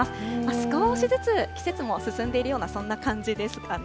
少しずつ季節も進んでいるような、そんな感じですかね。